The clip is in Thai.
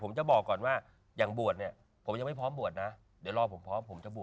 มันหลายอย่างยังไม่จัดจบ